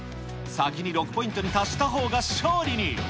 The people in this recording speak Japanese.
先に６ポイントに達したほうが勝利に。